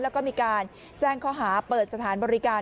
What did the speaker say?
แล้วก็มีการแจ้งข้อหาเปิดสถานบริการ